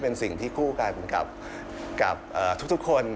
เป็นสิ่งที่คู่กันกับทุกคน